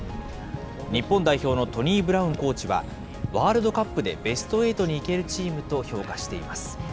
日本代表のトニー・ブラウンコーチは、ワールドカップでベストエイトにいけるチームと評価しています。